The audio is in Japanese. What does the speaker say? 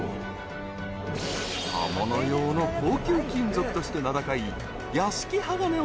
［刃物用の高級金属として名高い］